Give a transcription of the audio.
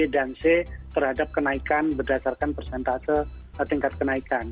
dan c terhadap kenaikan berdasarkan persentase tingkat kenaikan